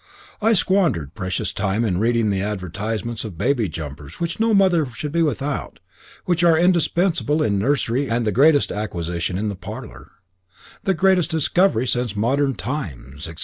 I squandered precious time in reading the advertisements of baby jumpers which no mother should be without which are indispensable in the nursery and the greatest acquisition in the parlour, the greatest discovery of modern times, etc.